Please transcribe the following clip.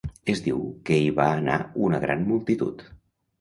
Es diu que hi va anar una gran multitud.